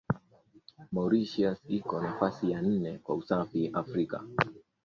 Mauritius iko nafasi ya nne kwa usafi Afrika